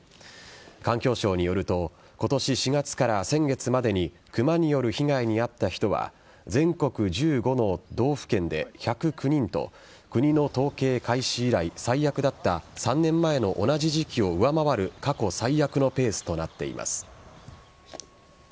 環境省によると今年４月から先月までにクマによる被害に遭った人は全国１５の道府県で１０９人と国の統計開始以来最悪だった３年前の同じ時期を上回る過去最悪のペースとなっています。